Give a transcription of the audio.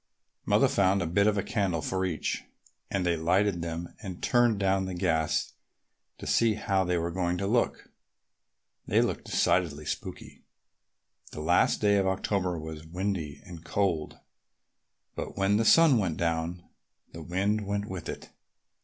Mother found a bit of candle for each, and they lighted them and turned down the gas to see how they were going to look. They looked decidedly spooky. The last day of October was windy and cold, but when the sun went down the wind went with it.